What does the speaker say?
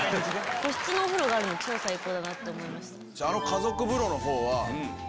家族風呂のほうは。